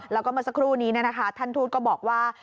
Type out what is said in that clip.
แล้วก็เมื่อสักครู่นี้ท่านทูตก็บอกว่า